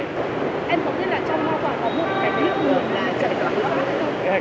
em có biết là trong hoa quả có một cái liệu lượng là chảy tỏa hoa quả thế không